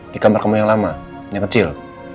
di kamar kamu yang lama yang kecil